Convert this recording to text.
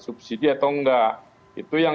subsidi atau enggak itu yang